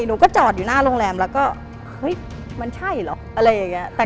หนูก็จอดอยู่หน้าโรงแรมแล้วก็เฮ้ยมันใช่เหรออะไรอย่างนี้